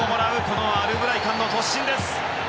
このアルブライカンの突進です。